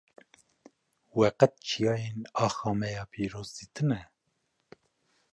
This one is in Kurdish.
We qet çiyayên axa me ya pîroz dîtine?